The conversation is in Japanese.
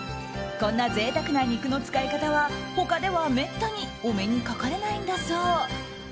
こんな贅沢な肉の使い方は他ではめったにお目にかかれないんだそう。